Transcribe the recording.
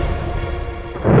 ya enggak apa apa